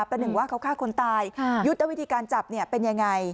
เป็นอย่างว่าเขาฆ่าคนตายค่ะยุดวิธีการจับเนี้ยเป็นยังไง